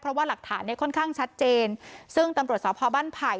เพราะว่าหลักฐานเนี่ยค่อนข้างชัดเจนซึ่งตำรวจสพบ้านไผ่